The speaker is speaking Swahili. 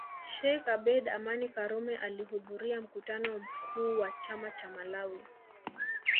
Sheikh Abeid Amani Karume alihudhuria mkutano mkuu wa chama cha Malawi